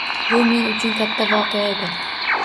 Bu men uchun katta voqea edi.